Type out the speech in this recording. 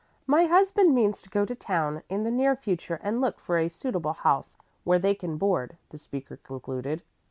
"My husband means to go to town in the near future and look for a suitable house where they can board," the speaker concluded.